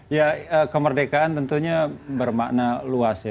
ya kemerdekaan tentunya bermakna luas ya